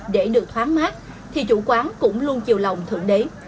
để được thoáng mát thì chủ quán cũng luôn chịu lòng thượng đế